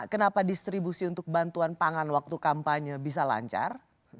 kenapa distribusi untuk bantuan pangan waktu kampanye bisa lancar